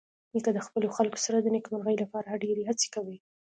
نیکه د خپلو خلکو سره د نیکمرغۍ لپاره ډېرې هڅې کوي.